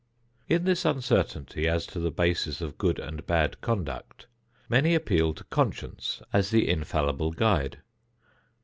In this uncertainty as to the basis of good and bad conduct, many appeal to "conscience" as the infallible guide.